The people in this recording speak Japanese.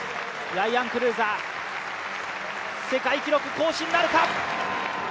ライアン・クルーザー世界記録更新なるか。